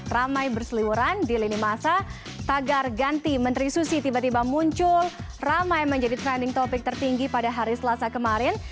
ramai berseliwuran di lini masa tagar ganti menteri susi tiba tiba muncul ramai menjadi trending topic tertinggi pada hari selasa kemarin